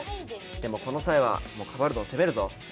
でもこの際はもうカバルドン攻めるぞ。